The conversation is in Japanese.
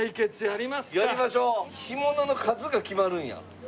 干物の数が決まるんや。